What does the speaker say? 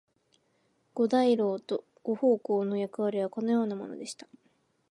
五大老と五奉行の役割はこのようなものでした。